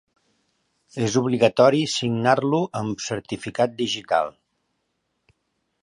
És obligatori signar-lo amb certificat digital.